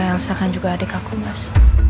elsa kan juga adik aku mas